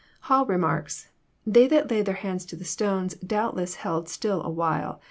Hall remarks :'' They Vhat laid their hands to the stone doubt less held still awhile, wl.